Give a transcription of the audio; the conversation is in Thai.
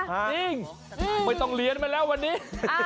ถึงไม่ต้องเลี้ยนมันแล้ววันนี้